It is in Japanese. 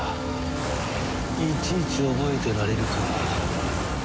いちいち覚えてられるか。